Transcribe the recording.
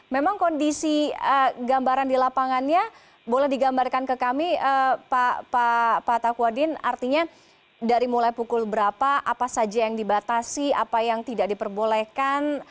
memang kondisi gambaran di lapangannya boleh digambarkan ke kami pak takwadin artinya dari mulai pukul berapa apa saja yang dibatasi apa yang tidak diperbolehkan